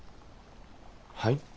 はい？